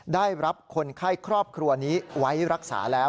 ได้รับคนไข้ครอบครัวนี้ไว้รักษาแล้ว